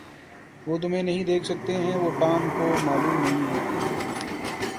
وہ تمہیں نہیں دیکھ سکتے ہیں وہ ٹام کو معلوم نہیں ہے